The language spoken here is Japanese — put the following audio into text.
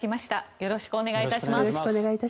よろしくお願いします。